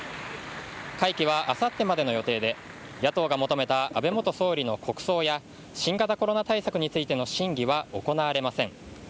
会期はあさってまでの予定で野党が求めた安倍元総理の国葬や新型コロナ対策についての審議は行われません。